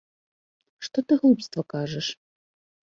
Што ты глупства кажаш?